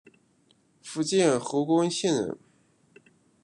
福建侯官县人。